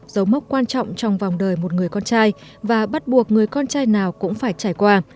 dấu mốc quan trọng trong vòng đời một người con trai và bắt buộc người con trai nào cũng phải trải qua